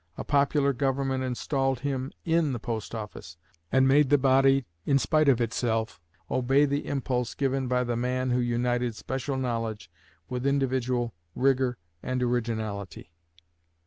A popular government installed him in the Post office, and made the body, in spite of itself, obey the impulse given by the man who united special knowledge with individual vigor and originality.